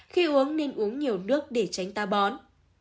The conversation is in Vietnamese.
khi uống nên uống nhiều nước để tránh ta bón